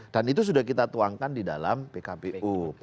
dan itu sudah kita tuangkan di dalam pkpu